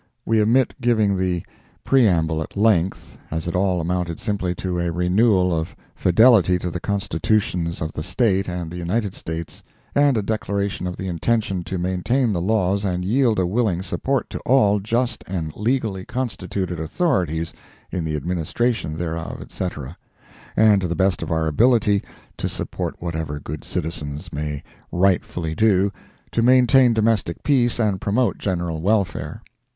(We omit giving the preamble at length, as it all amounted simply to a renewal of fidelity to the Constitutions of the State and United States, and a declaration of intention to maintain the laws and yield a willing support to all just and legally constituted authorities in the administration thereof, etc.; and to the best of our ability to support whatever good citizens may rightfully do, to maintain domestic peace and promote general welfare.